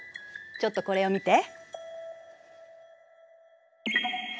ちょっとこれを見て。